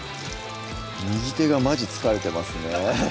右手がマジ疲れてますね